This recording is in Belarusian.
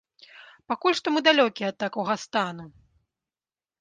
Пакуль што мы далёкія ад такога стану.